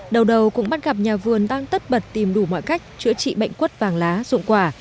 đầu đầu cũng bắt gặp nhà vườn đang tất bật tìm đủ mọi cách chữa trị bệnh quất vàng lá dụng quả